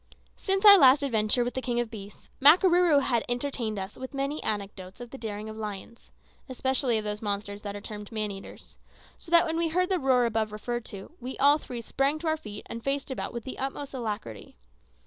Since our last adventure with the king of beasts, Makarooroo had entertained us with many anecdotes of the daring of lions, especially of those monsters that are termed man eaters; so that when we heard the roar above referred to, we all three sprang to our feet and faced about with the utmost alacrity.